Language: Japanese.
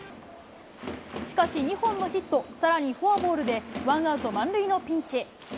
しかし２本のヒット、さらにフォアボールで、ワンアウト満塁のピンチ。